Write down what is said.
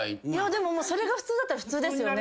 でもそれが普通だったら普通ですよね？